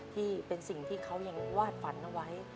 ที่เป็นสิ่งที่เขายังวาดฝันเอาไว้